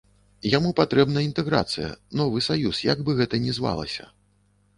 Яму патрэбна інтэграцыя, новы саюз, як бы гэта ні звалася.